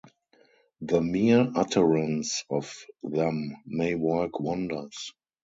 The mere utterance of them may work wonders.